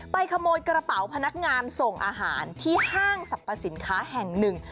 ขโมยกระเป๋าพนักงานส่งอาหารที่ห้างสรรพสินค้าแห่งหนึ่ง